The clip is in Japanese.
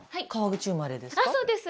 そうです！